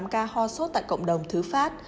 một trăm bốn mươi tám ca ho sốt tại cộng đồng thứ pháp